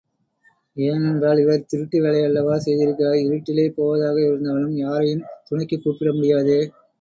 ஏனென்றால் இவர் திருட்டு வேலையல்லவா செய்திருக்கிறார் இருட்டிலே போவதாக இருந்தாலும் யாரையும் துணைக்குக் கூப்பிட முடியாதே!